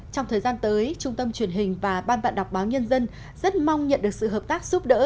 trong thời gian tới trung tâm truyền hình và ban bạn đọc báo nhân dân rất mong nhận được sự hợp tác giúp đỡ